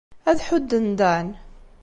Ad ḥudden Dan.